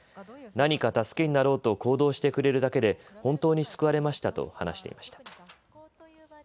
何か助けになろうと行動してくれるだけで本当に救われましたと話していました。